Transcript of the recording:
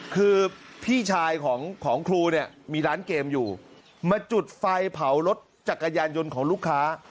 คือพี่ชายของครูเนี่ยมีร้านเกมอยู่มาจุดไฟเผารถจักรยานยนต์ของลูกค้า